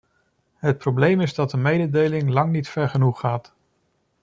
Het probleem is dat de mededeling lang niet ver genoeg gaat.